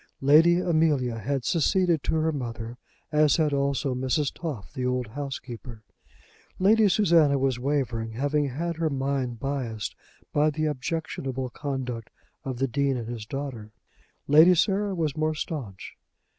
Lady Amelia had seceded to her mother, as had also Mrs. Toff, the old housekeeper. Lady Susanna was wavering, having had her mind biased by the objectionable conduct of the Dean and his daughter. Lady Sarah was more staunch.